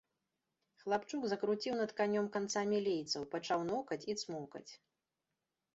Хлапчук закруціў над канём канцамі лейцаў, пачаў нокаць і цмокаць.